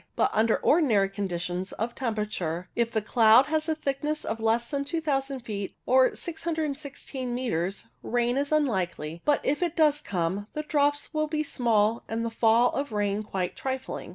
But under ordinary conditions of temperature, if the cloud has a thickness less than 2000 feet, or 616 metres, rain is unlikely, but if it does come, the drops will be small and the fall of rain quite trifling.